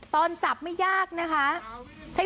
กลับด้านหลักหลักหลัก